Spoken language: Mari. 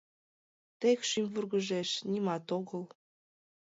Тек шӱм вургыжеш, нимат огыл.